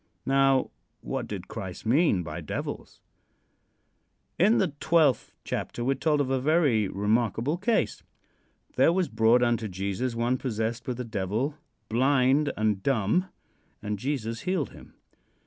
Now, what did Christ mean by devils? In the twelfth chapter we are told of a very remarkable case. There was brought unto Jesus one possessed with a devil, blind and dumb, and Jesus healed him.